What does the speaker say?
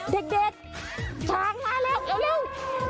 เด็กช้างมาเร็วเร็วเร็ว